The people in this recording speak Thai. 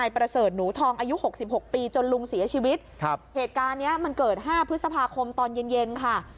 พฤษภาคมตอนเย็นค่ะ